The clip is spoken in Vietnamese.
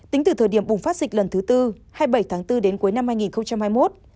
tính từ thời điểm bùng phát dịch lần thứ tư hai mươi bảy tháng bốn đến cuối năm hai nghìn hai mươi một